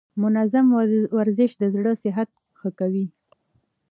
منظم ورزش د زړه صحت ښه کوي.